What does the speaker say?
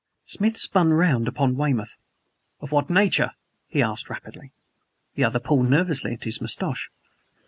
Smith spun round upon Weymouth. "Of what nature?" he asked rapidly. The other pulled nervously at his mustache.